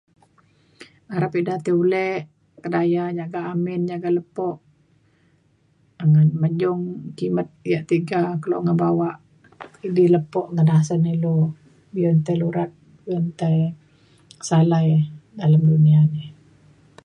harap ida ti ule kedaya jaga amin jaga lepo' um menjong kimet ia' tiga kelo ngebawa di lepo ngan asen ilu be'un tai lurat be'un tai salai alem dunia ini